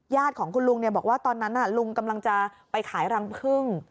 ญาติของคุณลุงเนี่ยบอกว่าตอนนั้นน่ะลุงกำลังจะไปขายรังพึ่ง